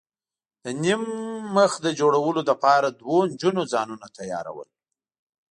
د نیم مخي د جوړولو لپاره دوو نجونو ځانونه تیاراول.